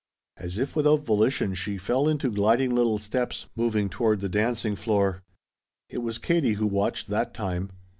As if without volition she fell into gliding little steps, moving toward the dancing floor. It was Katie who watched that time.